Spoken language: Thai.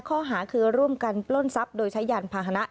ข้อหาคือร่วมกันปล้นทรัพย์โดยใช้ยานพาหนะ